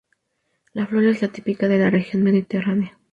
La flora es la típica de la región mediterránea.